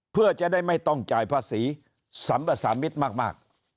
เพื่อจะได้ไม่ต้องจ่ายภาษีสัมภาษามิตรมาก